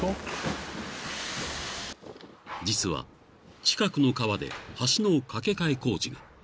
［実は近くの川で橋の架け替え工事が］